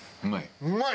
うまい？